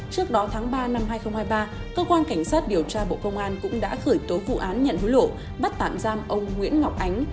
trước đó tháng ba năm hai nghìn hai mươi ba cơ quan cảnh sát điều tra bộ công an cũng đã khởi tố vụ án nhận hối lộ bắt tạm giam ông nguyễn ngọc ánh